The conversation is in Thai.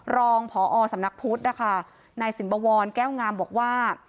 รองพอสำนักพุทธนะคะนายสินบวรแก้วงามบอกว่า